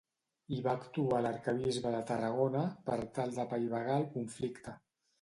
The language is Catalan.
Hi va actuar l'arquebisbe de Tarragona, per tal d'apaivagar el conflicte.